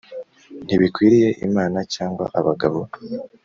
ntibikwiriye imana cyangwa abagabo